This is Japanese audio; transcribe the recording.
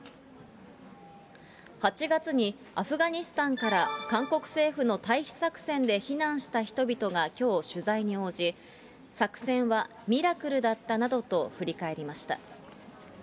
８月にアフガニスタンから韓国政府の退避作戦で避難した人々がきょう、取材に応じ、作戦はミラクルだったなどと振り返りました。